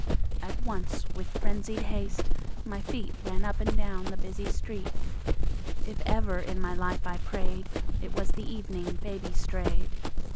At once, with frenzied haste, my feet Ran up and down the busy street. If ever in my life I prayed, It was the evening Baby strayed.